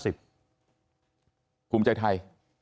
ภูมิใจไทย